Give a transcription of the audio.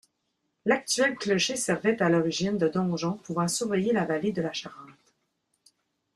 L'actuel clocher servait à l'origine de donjon pouvant surveiller la vallée de la Charente.